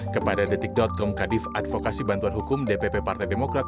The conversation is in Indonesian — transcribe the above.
kepada detik com kadif advokasi bantuan hukum dpp partai demokrat